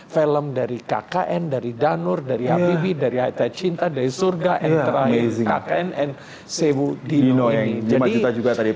film dari kkn dari danur dari hpv dari aita cinta dari surga and kkn and sewudino ini